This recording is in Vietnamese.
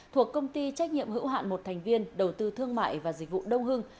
thuộc công ty trách nhiệm hữu hạn một thành viên đầu tư thương mại và dịch vụ đông hưng